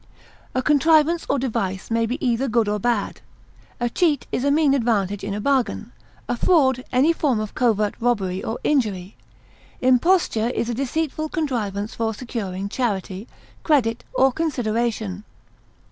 A contrivance or device may be either good or bad. A cheat is a mean advantage in a bargain; a fraud, any form of covert robbery or injury. Imposture is a deceitful contrivance for securing charity, credit, or consideration.